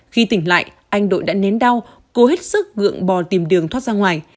khi tỉnh lại anh đội đã nến đau cố hết sức gượng bò tìm đường thoát ra ngoài